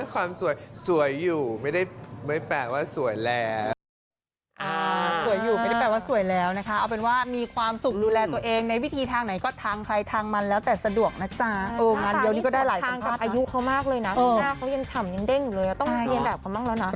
ความสวยสวยอยู่ไม่ได้แปลว่าสวยแล้ว